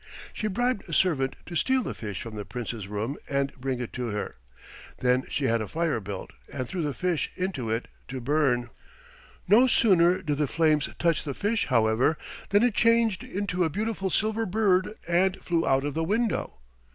She bribed a servant to steal the fish from the Prince's room and bring it to her. Then she had a fire built and threw the fish into it to burn. No sooner did the flames touch the fish, however, than it changed into a beautiful silver bird and flew out of the window.